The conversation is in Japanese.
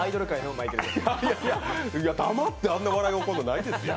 黙ってあんな笑いをとるのないですよ。